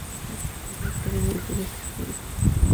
Esta localidad queda en el sudoeste de la isla.